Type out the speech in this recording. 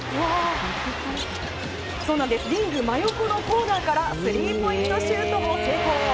リング真横のコーナーからスリーポイントシュートを成功！